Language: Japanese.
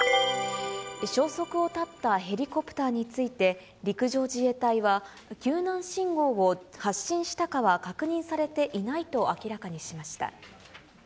消息を絶ったヘリコプターについて、陸上自衛隊は救難信号を発信したかは確認されていないと明らかにしました。